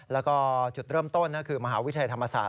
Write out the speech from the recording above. แล้วก็จุดเริ่มต้นก็คือมหาวิทยาลัยธรรมศาสต